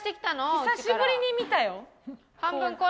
久しぶりに見たよ。